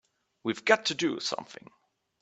We've got to do something!